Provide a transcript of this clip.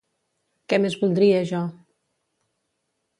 Què més voldria jo!